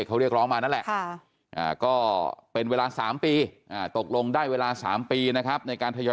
หมดที่คุยกันไว้ก็ล้านสามนะแต่ความความขอจ่ายให้เออแนว